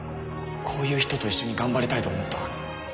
こういう人と一緒に頑張りたいと思った